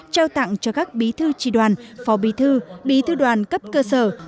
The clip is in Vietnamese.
trao tặng cho các bí thư tri đoàn phó bí thư bí thư đoàn cấp cơ sở